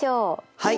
はい。